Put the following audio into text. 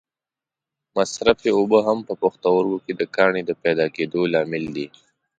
مصرفې اوبه هم په پښتورګو کې د کاڼې د پیدا کېدو لامل دي.